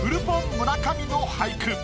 村上の俳句。